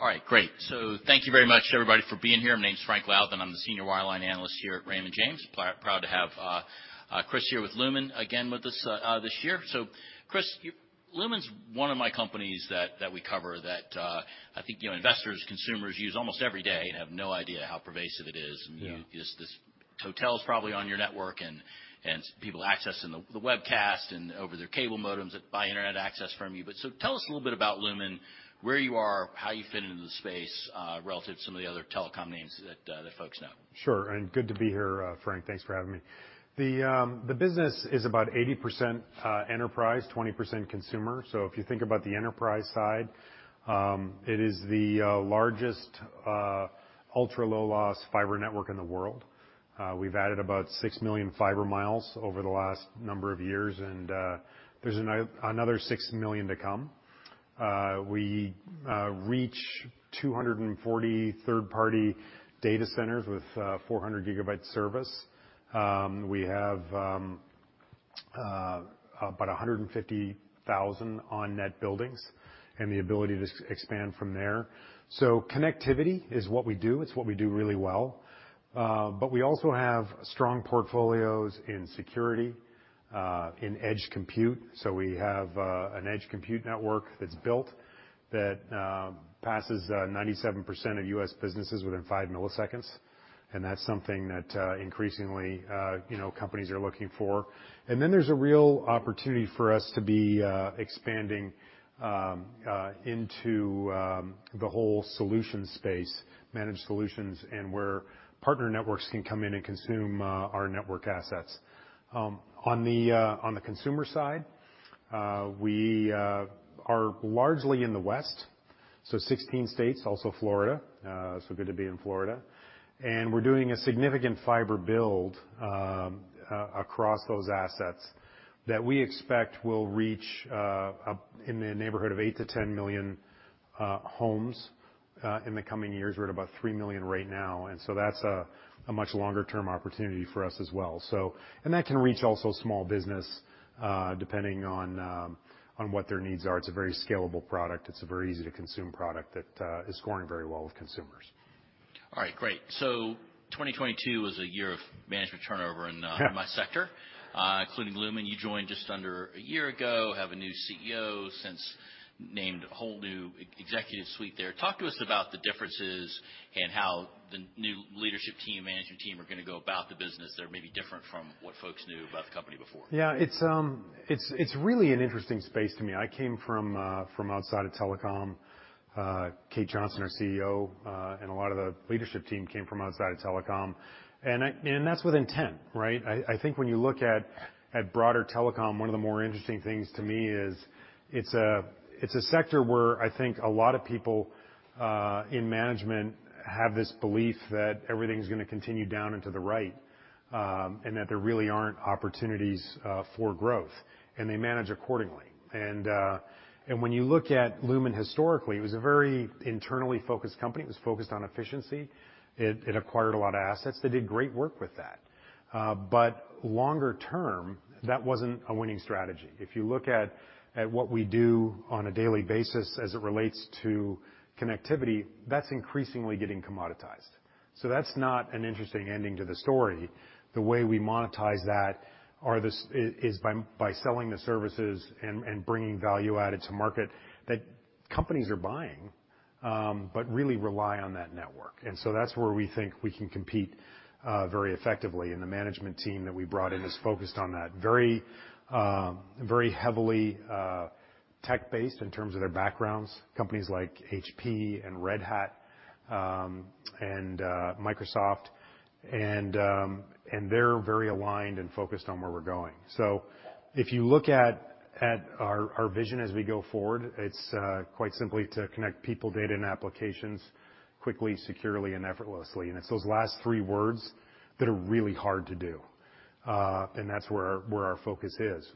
All right, great. Thank you very much, everybody, for being here. My name's Frank Louthan. I'm the senior wireline analyst here at Raymond James. Proud to have Chris here with Lumen again with us this year. Chris, Lumen's one of my companies that we cover that, I think, you know, investors, consumers use almost every day and have no idea how pervasive it is. Yeah. This hotel's probably on your network and people accessing the webcast and over their cable modems that buy internet access from you. Tell us a little bit about Lumen, where you are, how you fit into the space, relative to some of the other telecom names that folks know. Sure. Good to be here, Frank. Thanks for having me. The business is about 80% enterprise, 20% consumer. If you think about the enterprise side, it is the largest ultra-low loss fiber network in the world. We've added about 6 million fiber miles over the last number of years, and there's another 6 million to come. We reach 240 third-party data centers with 400 GB service. We have about 150,000 on net buildings and the ability to expand from there. Connectivity is what we do. It's what we do really well. We also have strong portfolios in security, in Edge Compute. We have an Edge Compute network that's built that passes 97% of U.S. businesses within 5 milliseconds, and that's something that increasingly, you know, companies are looking for. There's a real opportunity for us to be expanding into the whole solution space, managed solutions and where partner networks can come in and consume our network assets. On the consumer side, we are largely in the West, so 16 states, also Florida, so good to be in Florida. We're doing a significant fiber build across those assets that we expect will reach up in the neighborhood of eight to 10 million homes in the coming years. We're at about three million right now. That's a much longer-term opportunity for us as well. That can reach also small business, depending on what their needs are. It's a very scalable product. It's a very easy to consume product that is scoring very well with consumers. All right. Great. 2022 was a year of management turnover in. Yeah -my sector, including Lumen. You joined just under a year ago, have a new CEO since, named a whole new e-executive suite there. Talk to us about the differences and how the new leadership team, management team are gonna go about the business that may be different from what folks knew about the company before? Yeah. It's really an interesting space to me. I came from outside of telecom. Kate Johnson, our CEO, and a lot of the leadership team came from outside of telecom. That's with intent, right? I think when you look at broader telecom, one of the more interesting things to me is it's a sector where I think a lot of people in management have this belief that everything's gonna continue down and to the right, and that there really aren't opportunities for growth, and they manage accordingly. When you look at Lumen historically, it was a very internally focused company. It was focused on efficiency. It acquired a lot of assets. They did great work with that. Longer term, that wasn't a winning strategy. If you look at what we do on a daily basis as it relates to connectivity, that's increasingly getting commoditized. That's not an interesting ending to the story. The way we monetize that is by selling the services and bringing value added to market that companies are buying, but really rely on that network. That's where we think we can compete very effectively, and the management team that we brought in is focused on that. Very heavily tech-based in terms of their backgrounds, companies like HP and Red Hat, and Microsoft. They're very aligned and focused on where we're going. If you look at our vision as we go forward, it's quite simply to connect people, data, and applications quickly, securely, and effortlessly. It's those last three words that are really hard to do, and that's where our, where our focus is.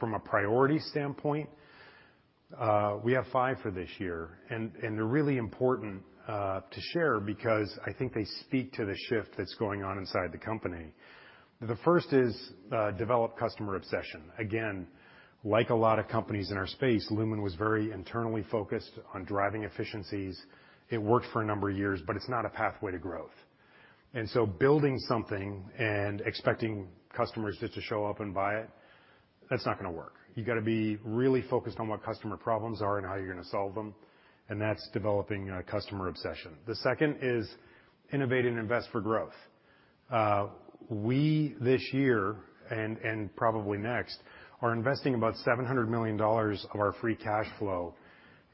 From a priority standpoint, we have five for this year, and they're really important to share because I think they speak to the shift that's going on inside the company. The first is develop customer obsession. Again, like a lot of companies in our space, Lumen was very internally focused on driving efficiencies. It worked for a number of years, but it's not a pathway to growth. Building something and expecting customers just to show up and buy it, that's not gonna work. You gotta be really focused on what customer problems are and how you're gonna solve them, and that's developing a customer obsession. The second is innovate and invest for growth. We, this year, and probably next, are investing about $700 million of our free cash flow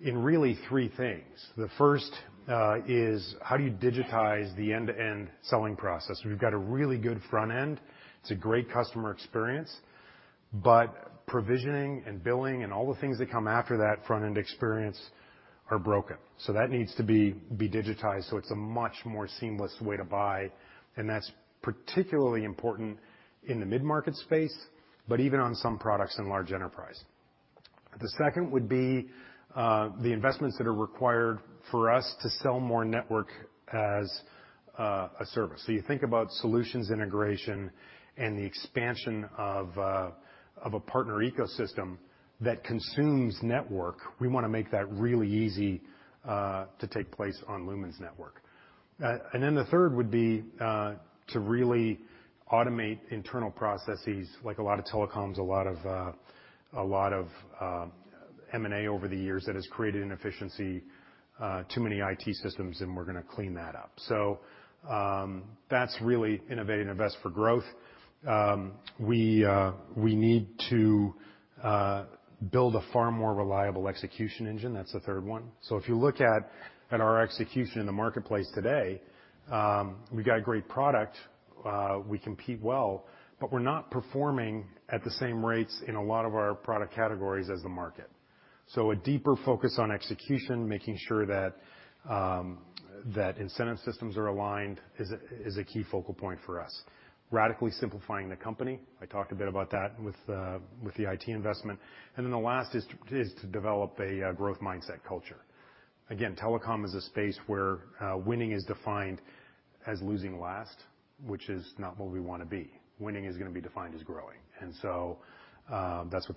in really three things. The first is how do you digitize the end-to-end selling process? We've got a really good front end. It's a great customer experience, but provisioning and billing and all the things that come after that front-end experience are broken. That needs to be digitized, so it's a much more seamless way to buy, and that's particularly important in the mid-market space, but even on some products in large enterprise. The second would be the investments that are required for us to sell more network as a service. You think about solutions integration and the expansion of a partner ecosystem that consumes network. We wanna make that really easy to take place on Lumen's network. The third would be to really automate internal processes like a lot of telecoms, a lot of M&A over the years that has created inefficiency, too many IT systems, and we're gonna clean that up. That's really innovate and invest for growth. We need to build a far more reliable execution engine. That's the third one. If you look at our execution in the marketplace today, we've got great product, we compete well, but we're not performing at the same rates in a lot of our product categories as the market. A deeper focus on execution, making sure that incentive systems are aligned is a key focal point for us. Radically simplifying the company. I talked a bit about that with the IT investment. The last is to develop a growth mindset culture. Telecom is a space where winning is defined as losing last, which is not what we wanna be. Winning is gonna be defined as growing. That's what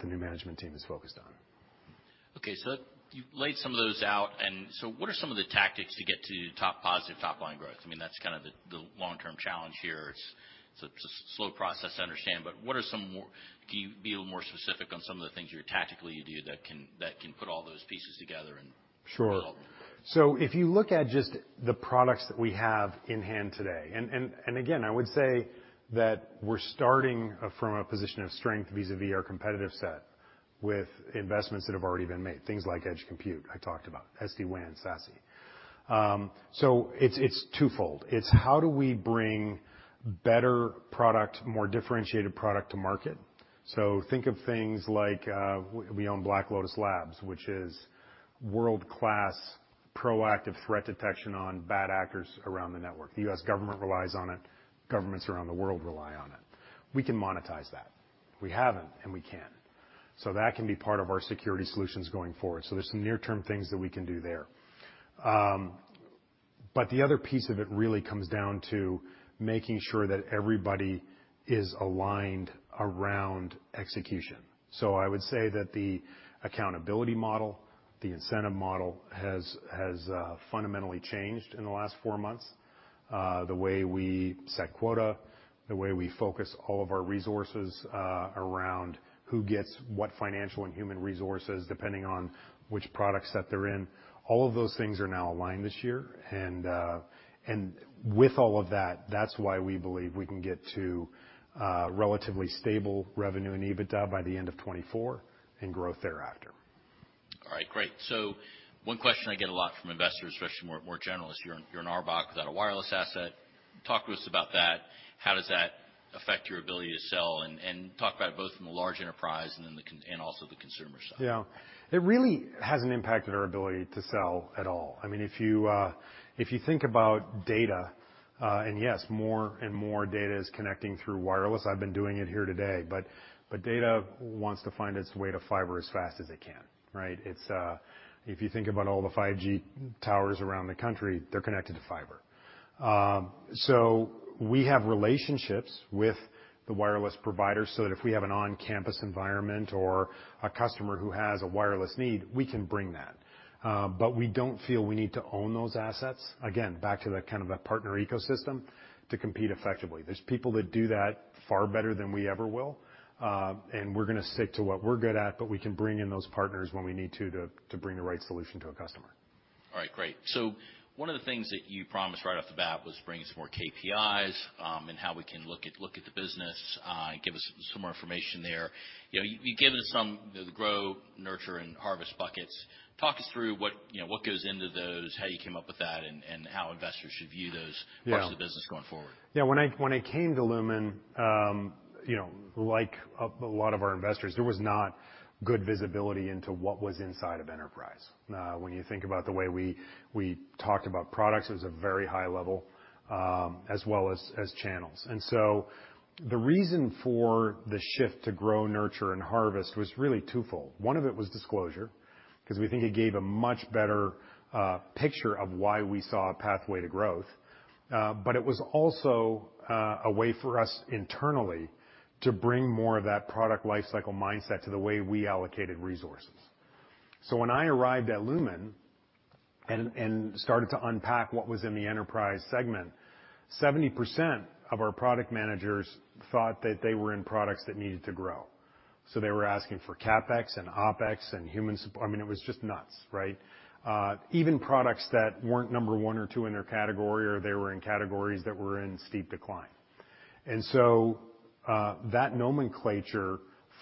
the new management team is focused on. Okay. You've laid some of those out, what are some of the tactics to get to top positive top-line growth? I mean, that's kind of the long-term challenge here. It's a slow process to understand, what are some more... Can you be a little more specific on some of the things you're tactically you do that can put all those pieces together and? Sure... develop? If you look at just the products that we have in hand today, and again, I would say that we're starting from a position of strength vis-à-vis our competitive set with investments that have already been made, things like Edge Compute, I talked about, SD-WAN, SASE. It's twofold. It's how do we bring better product, more differentiated product to market. Think of things like, we own Black Lotus Labs, which is world-class proactive threat detection on bad actors around the network. The U.S. government relies on it. Governments around the world rely on it. We can monetize that. We haven't, and we can. That can be part of our security solutions going forward. There's some near-term things that we can do there. The other piece of it really comes down to making sure that everybody is aligned around execution. I would say that the accountability model, the incentive model has fundamentally changed in the last four months. The way we set quota, the way we focus all of our resources, around who gets what financial and human resources, depending on which products that they're in. All of those things are now aligned this year. With all of that's why we believe we can get to relatively stable revenue and EBITDA by the end of 2024, and growth thereafter. All right. Great. One question I get a lot from investors, especially more generalists: you're an RBOC without a wireless asset. Talk to us about that. How does that affect your ability to sell, and talk about it both from the large enterprise and also the consumer side. It really hasn't impacted our ability to sell at all. I mean, if you think about data, and yes, more and more data is connecting through wireless. I've been doing it here today, data wants to find its way to fiber as fast as it can, right? It's, if you think about all the 5G towers around the country, they're connected to fiber. We have relationships with the wireless providers so that if we have an on-campus environment or a customer who has a wireless need, we can bring that. We don't feel we need to own those assets, again, back to the kind of a partner ecosystem, to compete effectively. There's people that do that far better than we ever will, and we're gonna stick to what we're good at, but we can bring in those partners when we need to bring the right solution to a customer. All right. Great. One of the things that you promised right off the bat was bring some more KPIs, and how we can look at, look at the business, give us some more information there. You know, you gave us some, the grow, nurture, and harvest buckets. Talk us through what, you know, what goes into those, how you came up with that, and how investors should view those? Yeah... parts of the business going forward. Yeah. When I came to Lumen, you know, like a lot of our investors, there was not good visibility into what was inside of enterprise. When you think about the way we talked about products, it was a very high level, as well as channels. The reason for the shift to grow, nurture, and harvest was really twofold. One of it was disclosure, 'cause we think it gave a much better picture of why we saw a pathway to growth. But it was also a way for us internally to bring more of that product lifecycle mindset to the way we allocated resources. So when I arrived at Lumen and started to unpack what was in the enterprise segment, 70% of our product managers thought that they were in products that needed to grow. They were asking for CapEx and OpEx, I mean, it was just nuts, right? Even products that weren't number one or two in their category, or they were in categories that were in steep decline. That nomenclature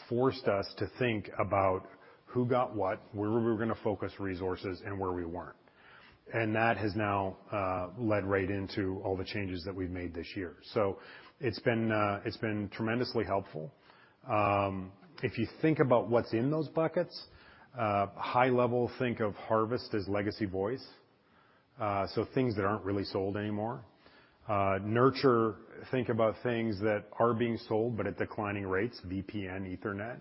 forced us to think about who got what, where we were gonna focus resources, and where we weren't. That has now led right into all the changes that we've made this year. It's been tremendously helpful. If you think about what's in those buckets, high level, think of harvest as legacy voice, things that aren't really sold anymore. Nurture, think about things that are being sold, but at declining rates, VPN, Ethernet.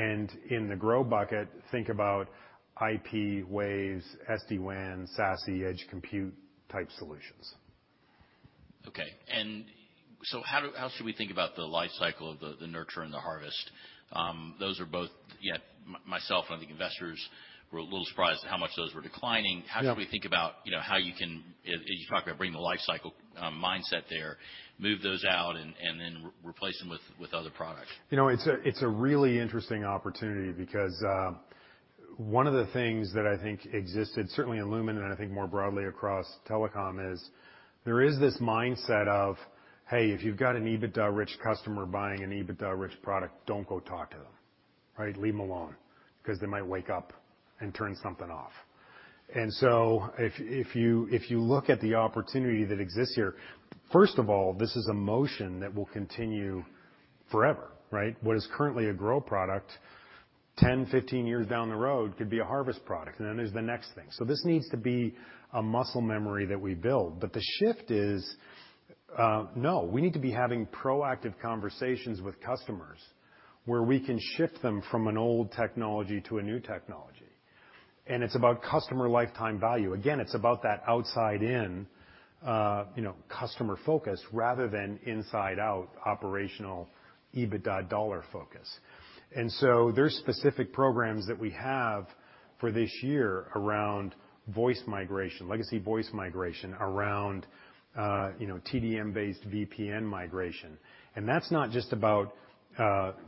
In the grow bucket, think about IP, Wavelengths, SD-WAN, SASE, Edge Compute type solutions. Okay. How should we think about the life cycle of the nurture and the harvest? Those are both, yet myself and I think investors were a little surprised at how much those were declining. Yeah. How should we think about, you know, how you can, as you talk about bringing the life cycle, mindset there, move those out and then re-replace them with other products? You know, it's a, it's a really interesting opportunity because one of the things that I think existed certainly in Lumen, and I think more broadly across telecom is there is this mindset of, hey, if you've got an EBITDA-rich customer buying an EBITDA-rich product, don't go talk to them, right? Leave them alone because they might wake up and turn something off. If you look at the opportunity that exists here, first of all, this is a motion that will continue forever, right? What is currently a grow product, 10, 15 years down the road could be a harvest product, and then there's the next thing. This needs to be a muscle memory that we build. The shift is, no, we need to be having proactive conversations with customers where we can shift them from an old technology to a new technology. It's about customer lifetime value. Again, it's about that outside in, you know, customer focus rather than inside out operational EBITDA dollar focus. There's specific programs that we have for this year around voice migration, legacy voice migration, around, you know, TDM-based VPN migration. That's not just about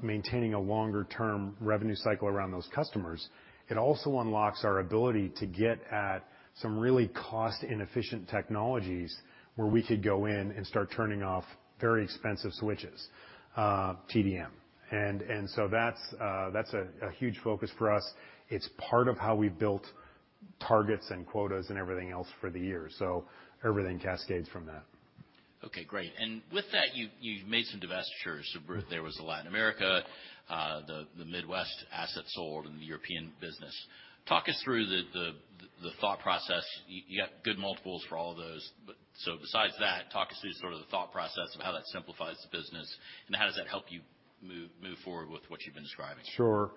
maintaining a longer-term revenue cycle around those customers. It also unlocks our ability to get at some really cost-inefficient technologies where we could go in and start turning off very expensive switches, TDM. That's a huge focus for us. It's part of how we've built targets and quotas and everything else for the year. Everything cascades from that. Okay, great. With that, you made some divestitures. Mm-hmm. There was the Latin America, the Midwest asset sold and the European business. Talk us through the thought process. You got good multiples for all of those, but so besides that, talk us through sort of the thought process of how that simplifies the business and how does that help you move forward with what you've been describing? Sure.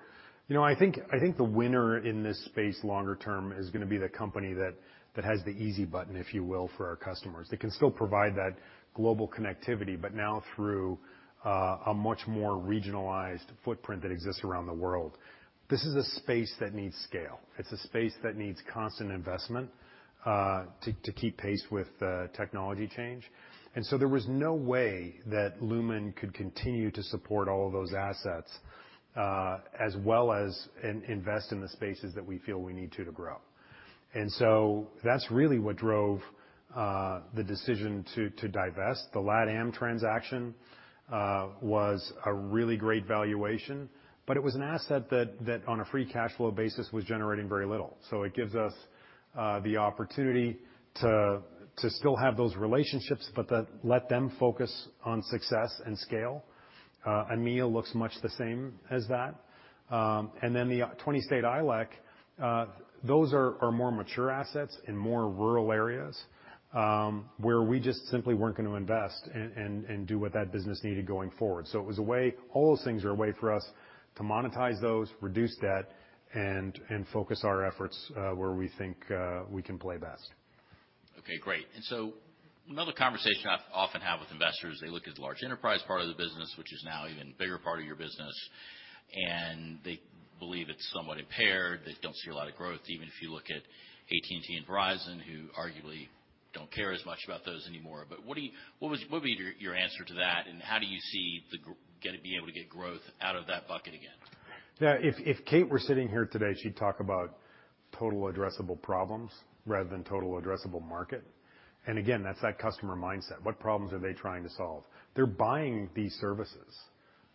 You know, I think the winner in this space longer term is gonna be the company that has the easy button, if you will, for our customers. They can still provide that global connectivity, but now through a much more regionalized footprint that exists around the world. This is a space that needs scale. It's a space that needs constant investment to keep pace with technology change. There was no way that Lumen could continue to support all of those assets, as well as invest in the spaces that we feel we need to grow. That's really what drove the decision to divest. The LATAM transaction was a really great valuation, but it was an asset that on a free cash flow basis was generating very little. It gives us the opportunity to still have those relationships, but to let them focus on success and scale. EMEA looks much the same as that. The 20-state ILEC, those are more mature assets in more rural areas, where we just simply weren't gonna invest and do what that business needed going forward. All those things are a way for us to monetize those, reduce debt and focus our efforts where we think we can play best. Okay, great. Another conversation I often have with investors, they look at the large enterprise part of the business, which is now an even bigger part of your business, and they believe it's somewhat impaired. They don't see a lot of growth, even if you look at AT&T and Verizon, who arguably don't care as much about those anymore. What would be your answer to that, and how do you see gonna be able to get growth out of that bucket again? Yeah. If Kate were sitting here today, she'd talk about total addressable problems rather than total addressable market. Again, that's that customer mindset. What problems are they trying to solve? They're buying these services,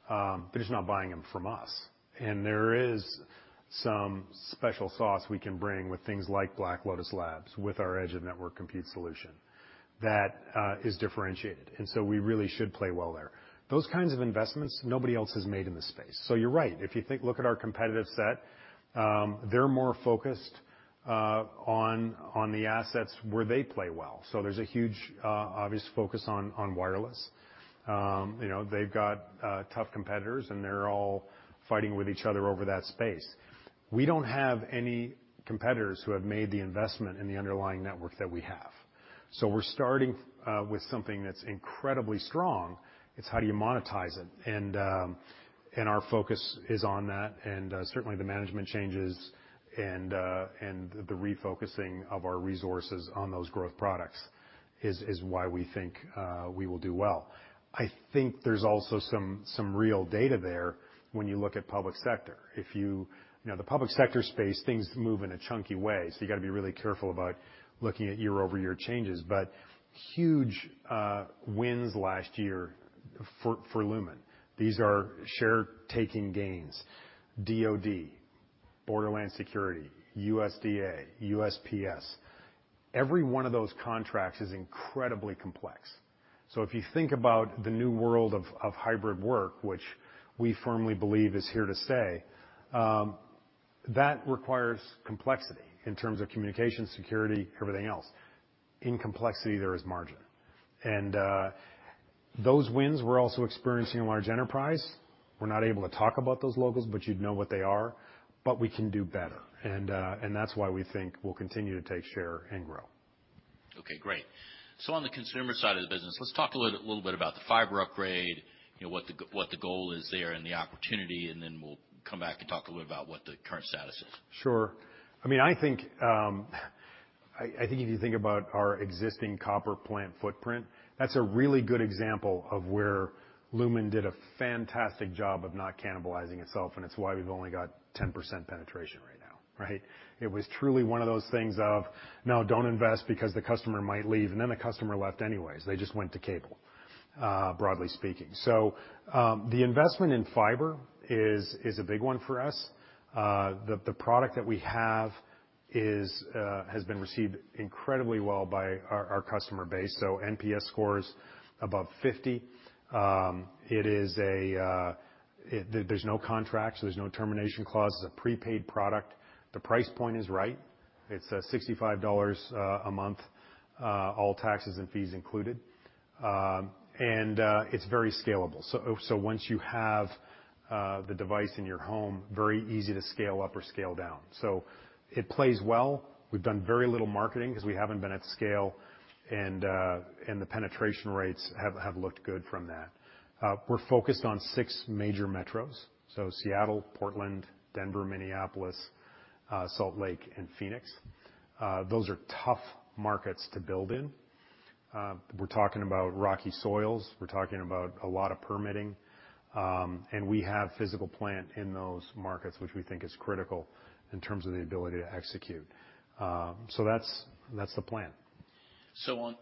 they're just not buying them from us. There is some special sauce we can bring with things like Black Lotus Labs, with our edge and network compute solution that is differentiated. We really should play well there. Those kinds of investments, nobody else has made in this space. You're right. Look at our competitive set, they're more focused on the assets where they play well. There's a huge obvious focus on wireless. You know, they've got tough competitors, they're all fighting with each other over that space. We don't have any competitors who have made the investment in the underlying network that we have. We're starting with something that's incredibly strong. It's how do you monetize it? Our focus is on that, and certainly the management changes and the refocusing of our resources on those growth products is why we think we will do well. I think there's also some real data there when you look at public sector. You know, the public sector space, things move in a chunky way, so you gotta be really careful about looking at year-over-year changes. Huge wins last year for Lumen. These are share taking gains, DoD, Borderland Security, USDA, USPS. Every one of those contracts is incredibly complex. If you think about the new world of hybrid work, which we firmly believe is here to stay. That requires complexity in terms of communication, security, everything else. In complexity, there is margin. Those wins we're also experiencing in large enterprise. We're not able to talk about those logos, but you'd know what they are. We can do better, and that's why we think we'll continue to take share and grow. Great. On the consumer side of the business, let's talk a little bit about the fiber upgrade, you know, what the goal is there and the opportunity, and then we'll come back and talk a little bit about what the current status is. Sure. I mean, I think if you think about our existing copper plant footprint, that's a really good example of where Lumen did a fantastic job of not cannibalizing itself, and it's why we've only got 10% penetration right now, right? It was truly one of those things of, "No, don't invest because the customer might leave." The customer left anyways. They just went to cable, broadly speaking. The investment in fiber is a big one for us. The product that we have has been received incredibly well by our customer base, so NPS score is above 50. It is a there's no contract, so there's no termination clause. It's a prepaid product. The price point is right. It's $65 a month, all taxes and fees included. It's very scalable. Once you have, the device in your home, very easy to scale up or scale down. It plays well. We've done very little marketing 'cause we haven't been at scale, and the penetration rates have looked good from that. We're focused on six major metros, so Seattle, Portland, Denver, Minneapolis, Salt Lake, and Phoenix. Those are tough markets to build in. We're talking about rocky soils. We're talking about a lot of permitting, and we have physical plant in those markets, which we think is critical in terms of the ability to execute. That's the plan.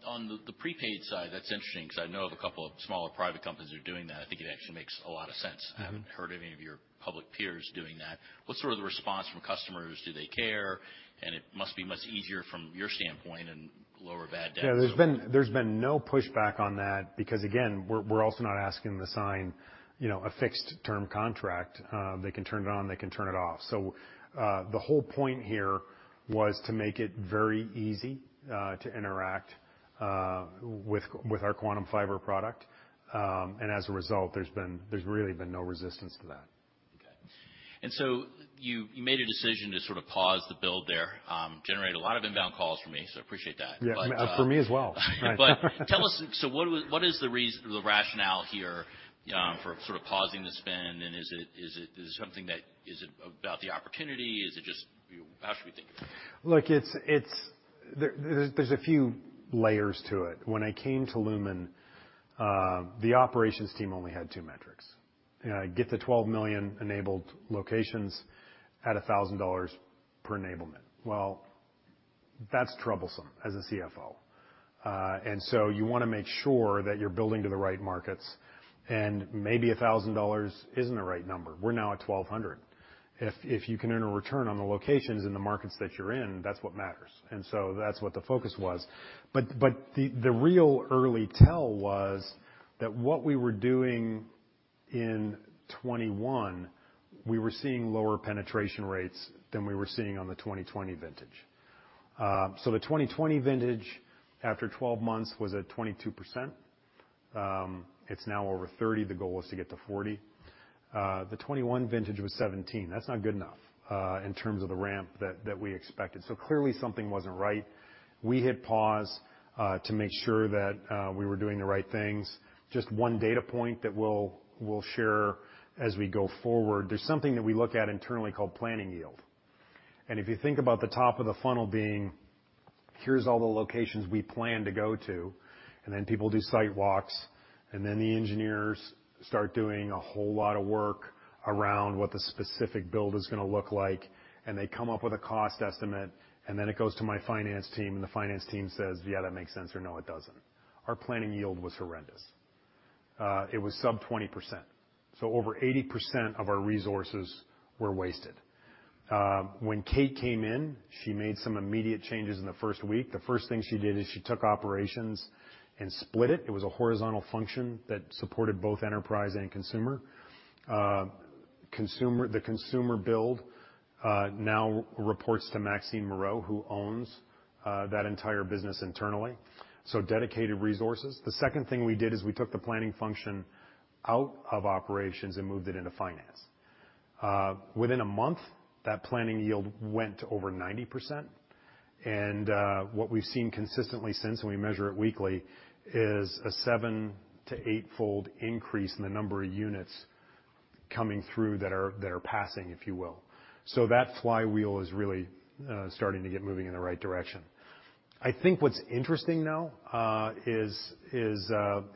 On the prepaid side, that's interesting 'cause I know of a couple of smaller private companies who are doing that. I think it actually makes a lot of sense. Mm-hmm. I haven't heard any of your public peers doing that. What's sort of the response from customers? Do they care? It must be much easier from your standpoint and lower bad debt as well. Yeah. There's been no pushback on that because, again, we're also not asking them to sign, you know, a fixed term contract. They can turn it on, they can turn it off. The whole point here was to make it very easy to interact with our Quantum Fiber product. As a result, there's really been no resistance to that. Okay. you made a decision to sort of pause the build there. generated a lot of inbound calls for me, so appreciate that. Yeah. For me as well. Tell us, what is the rationale here, for sort of pausing the spend, and is it something that is about the opportunity? Is it just... How should we think about it? Look, there's a few layers to it. When I came to Lumen, the operations team only had two metrics. Get to 12 million enabled locations at $1,000 per enablement. Well, that's troublesome as a CFO. You wanna make sure that you're building to the right markets, and maybe $1,000 isn't the right number. We're now at $1,200. If you can earn a return on the locations in the markets that you're in, that's what matters. That's what the focus was. The real early tell was that what we were doing in 2021, we were seeing lower penetration rates than we were seeing on the 2020 vintage. The 2020 vintage, after 12 months, was at 22%. It's now over 30%. The goal is to get to 40%. The 2021 vintage was 17%. That's not good enough in terms of the ramp that we expected. Clearly something wasn't right. We hit pause to make sure that we were doing the right things. Just one data point that we'll share as we go forward. There's something that we look at internally called planning yield. If you think about the top of the funnel being, here's all the locations we plan to go to, then people do site walks, then the engineers start doing a whole lot of work around what the specific build is going to look like, and they come up with a cost estimate. Then it goes to my finance team, and the finance team says, "Yeah, that makes sense," or "No, it doesn't." Our planning yield was horrendous. It was sub-20%, so over 80% of our resources were wasted. When Kate came in, she made some immediate changes in the first week. The first thing she did is she took operations and split it. It was a horizontal function that supported both enterprise and consumer. The consumer build now reports to Maxine Moreau, who owns that entire business internally, so dedicated resources. The second thing we did is we took the planning function out of operations and moved it into finance. Within a month, that planning yield went to over 90%, and what we've seen consistently since, and we measure it weekly, is a seven to eight-fold increase in the number of units coming through that are passing, if you will. That flywheel is really starting to get moving in the right direction. I think what's interesting now, you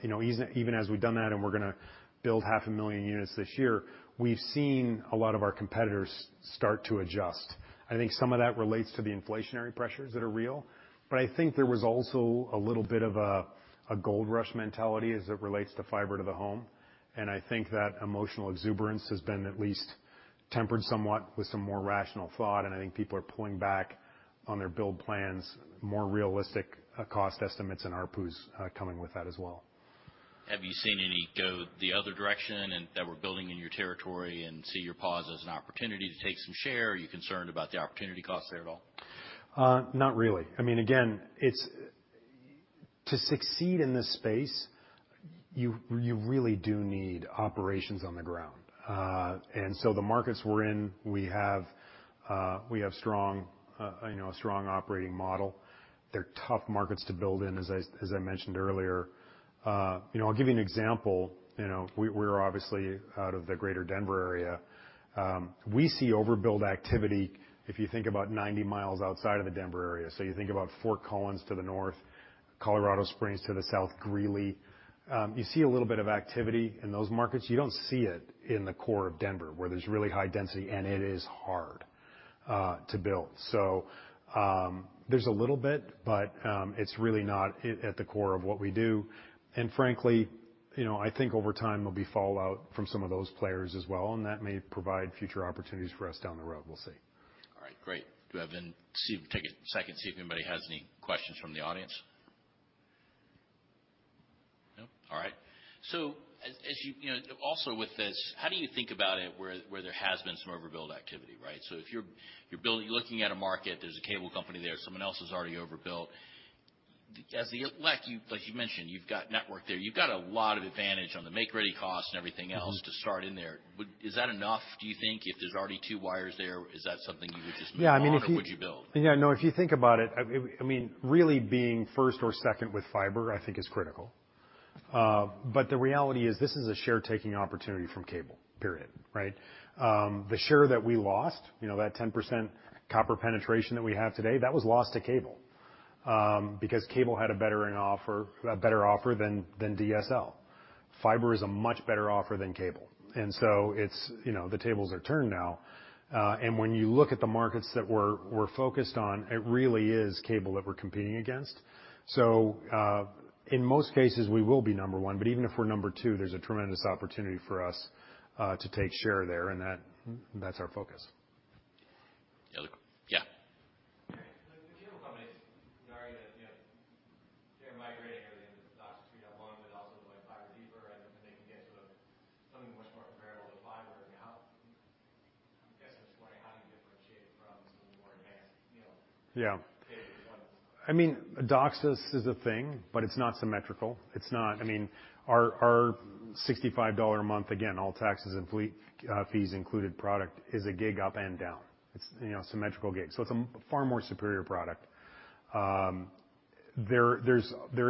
know, as we've done that and we're gonna build half a million units this year, we've seen a lot of our competitors start to adjust. I think some of that relates to the inflationary pressures that are real. I think there was also a little bit of a gold rush mentality as it relates to fiber to the home. I think that emotional exuberance has been at least tempered somewhat with some more rational thought. I think people are pulling back on their build plans, more realistic, cost estimates and ARPUs, coming with that as well. Have you seen any go the other direction and that we're building in your territory and see your pause as an opportunity to take some share? Are you concerned about the opportunity cost there at all? Not really. I mean, again, to succeed in this space, you really do need operations on the ground. The markets we're in, we have strong, you know, a strong operating model. They're tough markets to build in, as I mentioned earlier. You know, I'll give you an example. You know, we're obviously out of the greater Denver area. We see overbuild activity if you think about 90 miles outside of the Denver area. You think about Fort Collins to the north, Colorado Springs to the south, Greeley. You see a little bit of activity in those markets. You don't see it in the core of Denver, where there's really high density, and it is hard to build. There's a little bit, but it's really not at the core of what we do. Frankly, you know, I think over time there'll be fallout from some of those players as well, and that may provide future opportunities for us down the road. We'll see. All right. Great. Do I take a second, see if anybody has any questions from the audience. No? All right. As you know, also with this, how do you think about it where there has been some overbuild activity, right? If you're looking at a market, there's a cable company there, someone else is already overbuilt. As like you mentioned, you've got network there. You've got a lot of advantage on the make-ready costs and everything else. Mm-hmm. to start in there. Is that enough, do you think, if there's already two wires there, is that something you would just move on? Yeah, I mean, if. Would you build? Yeah, no, if you think about it, I mean, really being first or second with fiber, I think is critical. The reality is, this is a share taking opportunity from cable, period, right? The share that we lost, you know, that 10% copper penetration that we have today, that was lost to cable because cable had a better offer than DSL. Fiber is a much better offer than cable. It's, you know, the tables are turned now. When you look at the markets that we're focused on, it really is cable that we're competing against. In most cases, we will be number one, but even if we're number two, there's a tremendous opportunity for us to take share there, and that's our focus. Yeah. Yeah. The cable companies, they're already, you know, they're migrating everything to DOCSIS 3.1, but also going fiber deeper, and they can get to something much more comparable to fiber. Now, I guess I'm just wondering, how do you differentiate from some of the more advanced, you know. Yeah. cable products? I mean, DOCSIS is a thing, but it's not symmetrical. I mean, our $65 a month, again, all taxes and fees included product is a gig up and down. It's, you know, symmetrical gig. It's a far more superior product. There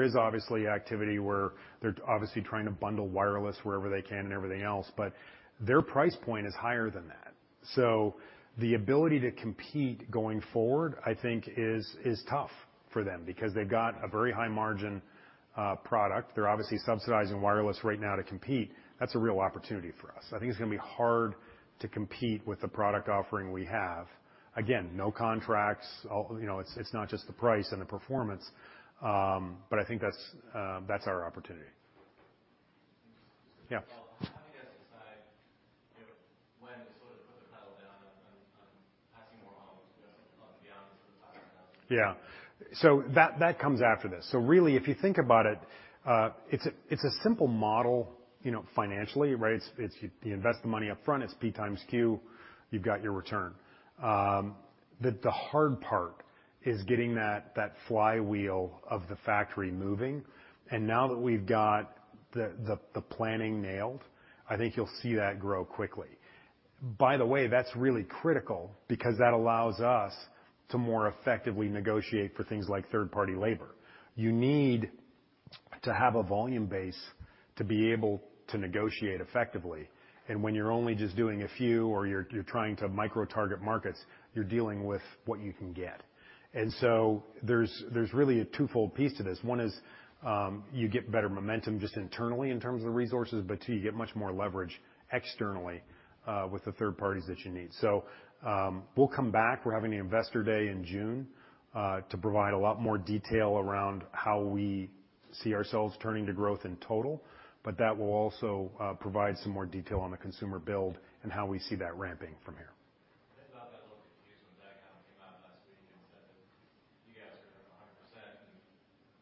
is obviously activity where they're obviously trying to bundle wireless wherever they can and everything else, but their price point is higher than that. The ability to compete going forward, I think is tough for them because they've got a very high margin product. They're obviously subsidizing wireless right now to compete. That's a real opportunity for us. I think it's gonna be hard to compete with the product offering we have. Again, no contracts. All, you know, it's not just the price and the performance, but I think that's that's our opportunity. Thanks. Yeah. How do you guys decide, you know, when to sort of put the pedal down on passing more on beyond. That, that comes after this. Really, if you think about it's a simple model, you know, financially, right? It's you invest the money up front, it's P x Q, you've got your return. The hard part is getting that flywheel of the factory moving. Now that we've got the planning nailed, I think you'll see that grow quickly. By the way, that's really critical because that allows us to more effectively negotiate for things like third-party labor. You need to have a volume base to be able to negotiate effectively. When you're only just doing a few or you're trying to micro-target markets, you're dealing with what you can get. There's really a twofold piece to this. One is, you get better momentum just internally in terms of the resources, but two, you get much more leverage externally, with the third parties that you need. We'll come back. We're having the investor day in June, to provide a lot more detail around how we see ourselves turning to growth in total, but that will also provide some more detail on the consumer build and how we see that ramping from here. I got that little confusion with that, kind of came out last week and said that you guys are at 100% and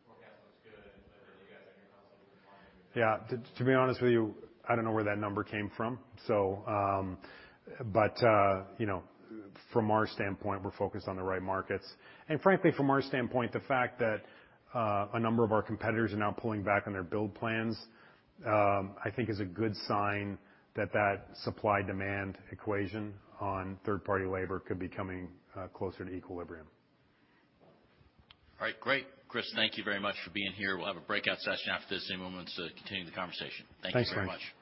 forecast looks good, but you guys are constantly supplying. Yeah. To be honest with you, I don't know where that number came from. You know, from our standpoint, we're focused on the right markets. Frankly, from our standpoint, the fact that a number of our competitors are now pulling back on their build plans, I think is a good sign that that supply-demand equation on third-party labor could be coming closer to equilibrium. All right. Great. Chris, thank you very much for being here. We'll have a breakout session after this, a moment to continue the conversation. Thanks, Frank. Thank you very much.